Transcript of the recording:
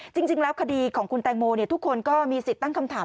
จริงแล้วคดีของคุณแตงโมทุกคนก็มีสิทธิ์ตั้งคำถาม